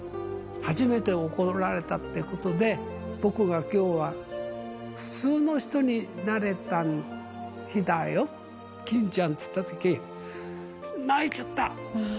初めて怒られたってことで、僕がきょうは、普通の人になれた日だよ、欽ちゃんって言ったとき、泣いちゃった。